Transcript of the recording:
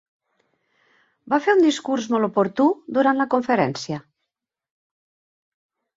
Va fer un discurs molt oportú durant la conferència.